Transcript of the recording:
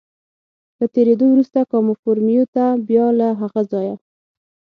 له تېرېدو وروسته کاموفورمیو ته، بیا له هغه ځایه.